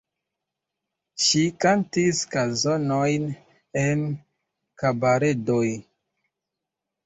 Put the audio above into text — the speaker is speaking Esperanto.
Ŝi kantis kanzonojn en kabaredoj.